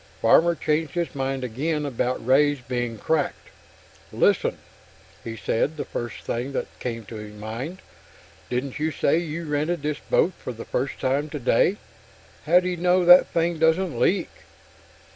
Farmer changed his mind again about Ray's being cracked. "Listen." He said the first thing that came to mind. "Didn't you say you rented this boat for the first time today? How do you know that thing doesn't leak?"